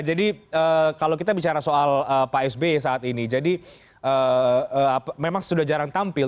jadi kalau kita bicara soal pak sbi saat ini jadi memang sudah jarang tampil